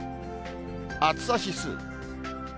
暑さ指数。